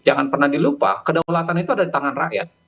jangan pernah dilupa kedaulatan itu ada di tangan rakyat